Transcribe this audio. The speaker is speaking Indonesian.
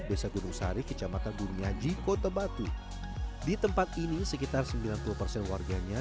di desa gunung sarik kejamatan duniaji kota batu di tempat ini sekitar sembilan puluh persen warganya